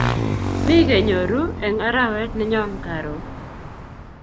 Mi kenyoru eng arawet nenyon karon